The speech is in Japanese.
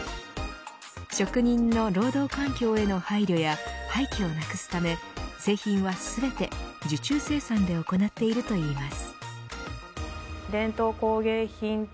職人の労働環境への配慮や廃棄をなくすため、製品は全て受注生産で行っているといいます。